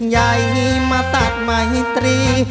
ไยมาตัดไหมตรี